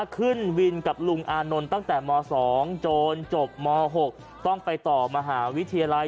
ขึ้นวินกับลุงอานนท์ตั้งแต่ม๒จนจบม๖ต้องไปต่อมหาวิทยาลัย